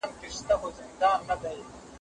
څه ډول باید له ټیکنالوژۍ څخه لري واوسو؟